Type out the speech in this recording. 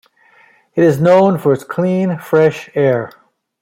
It is known for its clean fresh air.